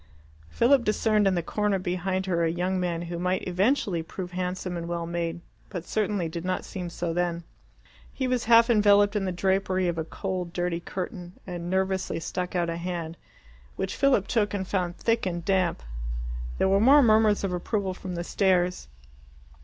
Philip discerned in the corner behind her a young man who might eventually prove handsome and well made, but certainly did not seem so then. He was half enveloped in the drapery of a cold dirty curtain, and nervously stuck out a hand, which Philip took and found thick and damp. There were more murmurs of approval from the stairs.